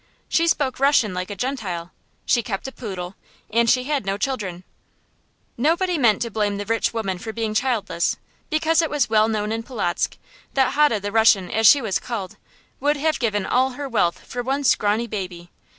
She spoke Russian like a Gentile, she kept a poodle, and she had no children. Nobody meant to blame the rich woman for being childless, because it was well known in Polotzk that Hode the Russian, as she was called, would have given all her wealth for one scrawny baby.